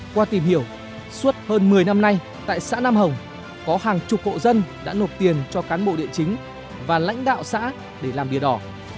qua tìm hiểu suốt hơn một mươi năm nay tại xã nam hồng có hàng chục hộ dân đã nộp tiền cho cán bộ địa chính và lãnh đạo xã để làm bia đỏ